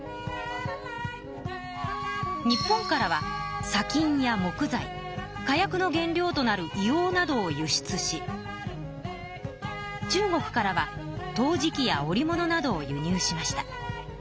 日本からはさ金や木材火薬の原料となる硫黄などを輸出し中国からは陶磁器や織物などを輸入しました。